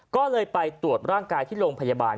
ก็เลยไปตรวจร่างกายที่โรงพยาบาล